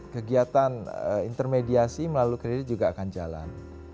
kegiatan intermediasi melalui kredit juga akan jalan